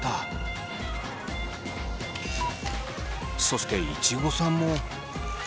そしていちごさんも。